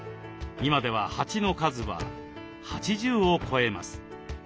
今では鉢の数は８０を超えます。